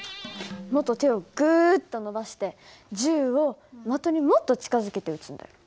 もっと手をグッと伸ばして銃を的にもっと近づけて撃つんだよ。